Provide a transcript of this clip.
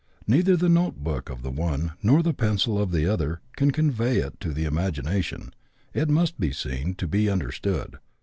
Neither the note book of the one, nor the pencil of the other, can convey it to the imagination ; it must be seen to be understood.